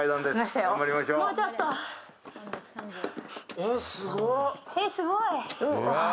えっ、すごっ！